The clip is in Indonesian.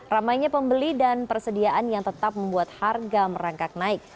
ramainya pembeli dan persediaan yang tetap membuat harga merangkak naik